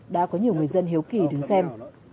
đã có nhiều người dân hiếu kỳ đứng xem